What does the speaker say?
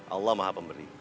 allah maha pemberi